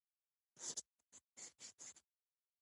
ازادي راډیو د د جګړې راپورونه په اړه د خلکو نظرونه خپاره کړي.